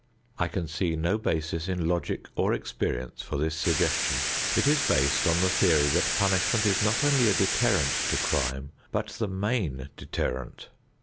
I can see no basis in logic or experience for this suggestion. It is based on the theory that punishment is not only a deterrent to crime, but the main deterrent.